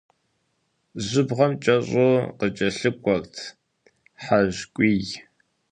Жьыбгъэм кӏэщӏу къыкӏэлъыкӏуэрт хьэжкуий.